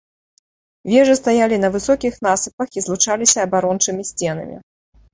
Вежы стаялі на высокіх насыпах і злучаліся абарончымі сценамі.